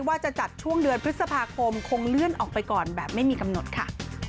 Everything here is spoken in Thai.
ว่าจะจัดช่วงเดือนพฤษภาคมคงเลื่อนออกไปก่อนแบบไม่มีกำหนดค่ะ